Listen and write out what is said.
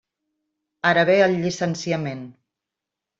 Ara ve el llicenciament.